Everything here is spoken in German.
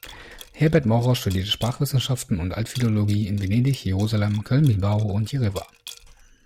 Herbert Maurer studierte Sprachwissenschaften und Altphilologie in Venedig, Jerusalem, Köln, Bilbao und Jerewan.